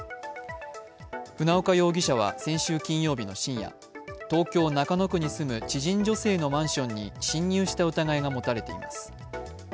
船岡容疑者は、先週金曜日の深夜東京・中野区に住む知人女性のマンションに侵入した疑いがもたれています。